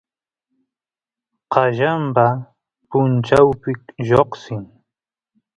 qallamba punchawpi lloqsin